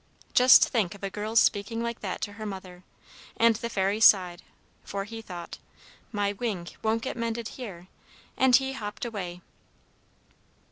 Just think of a girl's speaking like that to her mother! And the Fairy sighed, for he thought, 'My wing won't get mended here,' and he hopped away.